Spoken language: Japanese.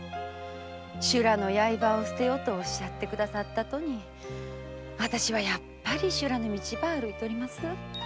修羅の刃を捨てよとおっしゃって下さったとにわたしはやっぱり修羅の道ば歩いとります。